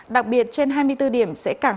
đặc biệt trên hai mươi bốn điểm